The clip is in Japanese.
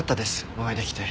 お会いできて。